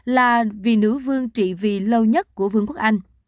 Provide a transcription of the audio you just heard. là vì nữ vương trị vị lâu nhất của vương quốc anh